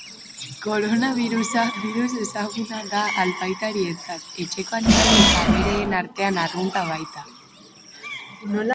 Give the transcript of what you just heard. Koronabirusa birus ezaguna da albaitarientzat, etxeko animali eta abereen artean arrunta baita.